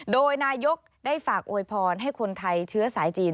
โดยนายกได้ฝากอวยพรให้คนไทยเชื้อสายจีน